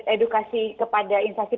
edukasi kepada instansi